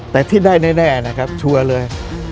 แต่ที่ได้แน่นะครับชัวร์เลย